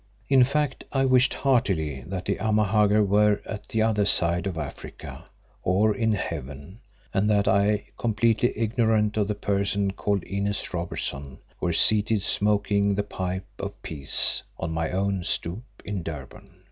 In fact, I wished heartily that the Amahagger were at the other side of Africa, or in heaven, and that I, completely ignorant of the person called Inez Robertson, were seated smoking the pipe of peace on my own stoep in Durban.